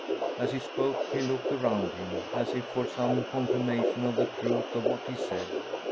As he spoke, he looked around him, as if for some confirmation of the truth of what he said.